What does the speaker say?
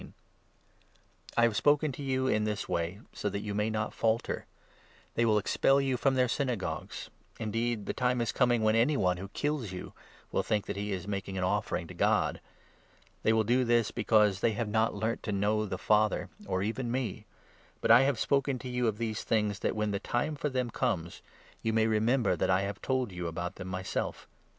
I have spoken to you in this way so that you may not falter, i j They will expel you from their Synagogues ; indeed the time 2 is coming when any one who kills you will think that he is making an offering to God. They will do this, because they 3 have not learnt to know the Father, or even me. But I have 4 spoken to you of these things that, when the time for them comes, you may remember that I told you about them myself.